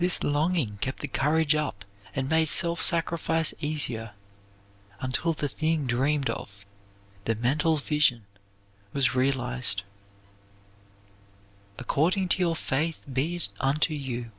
This longing kept the courage up and made self sacrifice easier until the thing dreamed of the mental vision was realized. "According to your faith be it unto you."